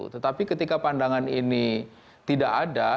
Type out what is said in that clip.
tetapi ketika pandangan ini tidak ada